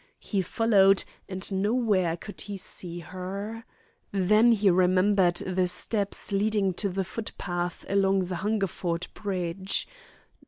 He followed, and nowhere could he see her. Then he remembered the steps leading to the footpath along the Hungerford Bridge.